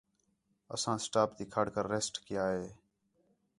اَساں سٹاپ تی کھڑ کر ریسٹ کَیا سے